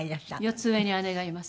４つ上に姉がいます。